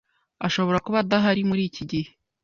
Ashobora kuba adahari muriki gihe.